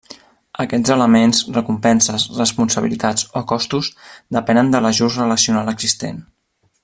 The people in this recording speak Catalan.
Aquests elements, recompenses, responsabilitats o costos, depenen de l'ajust relacional existent.